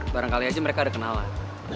barang kalian aja mereka ada kenalan